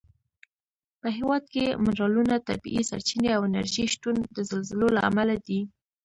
په هېواد کې منرالونه، طبیعي سرچینې او انرژي شتون د زلزلو له امله دی.